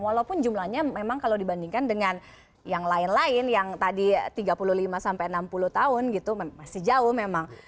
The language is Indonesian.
walaupun jumlahnya memang kalau dibandingkan dengan yang lain lain yang tadi tiga puluh lima sampai enam puluh tahun gitu masih jauh memang